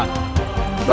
baik gusi prabu